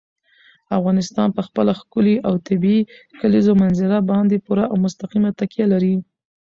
افغانستان په خپله ښکلې او طبیعي کلیزو منظره باندې پوره او مستقیمه تکیه لري.